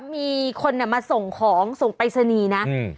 มีคนเนี่ยมาส่งของส่งไปรษณีย์นะ